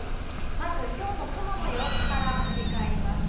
まずきょうの雲の様子から振り返ります。